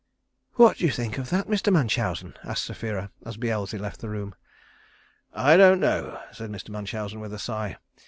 "What do you think of that, Mr. Munchausen?" asked Sapphira, as Beelzy left the room. "I don't know," said Mr. Munchausen, with a sigh.